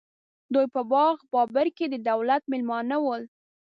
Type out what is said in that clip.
دوی په باغ بابر کې د دولت مېلمانه ول.